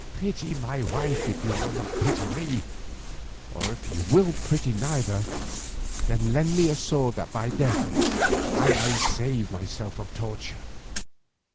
Pity my wife if you will not pity me, or if you will pity neither, then lend me a sword that by death I may save myself from torture.